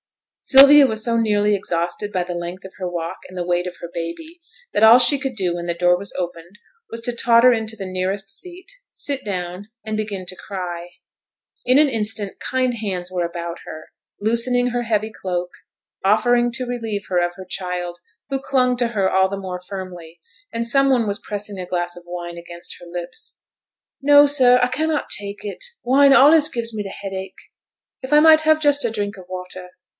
Sylvia was so nearly exhausted by the length of her walk and the weight of her baby, that all she could do when the door was opened was to totter into the nearest seat, sit down, and begin to cry. In an instant kind hands were about her, loosening her heavy cloak, offering to relieve her of her child, who clung to her all the more firmly, and some one was pressing a glass of wine against her lips. 'No, sir, I cannot take it! wine allays gives me th' headache; if I might have just a drink o' water.